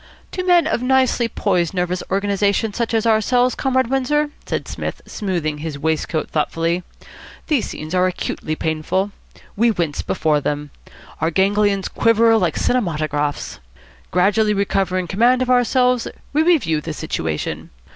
"To men of nicely poised nervous organisation such as ourselves, Comrade Windsor," said Psmith, smoothing his waistcoat thoughtfully, "these scenes are acutely painful. We wince before them. Our ganglions quiver like cinematographs. Gradually recovering command of ourselves, we review the situation.